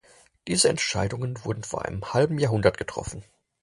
Diese Entscheidungen wurden vor einem halben Jahrhundert getroffen.